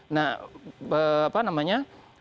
nah apa namanya